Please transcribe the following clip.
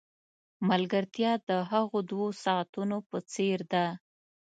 ملګرتیا د هغو دوو ساعتونو په څېر ده.